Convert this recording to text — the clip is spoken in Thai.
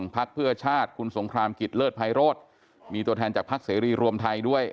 พักเพื่อชาติคุณสงครามกิจเลิศภัยโรธมีตัวแทนจากพักเสรีรวมไทยด้วย